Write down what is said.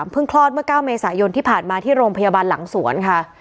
คลอดเมื่อ๙เมษายนที่ผ่านมาที่โรงพยาบาลหลังสวนค่ะ